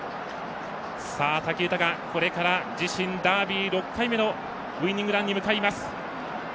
武豊、これから自身ダービー６回目のウイニングランに向かいます。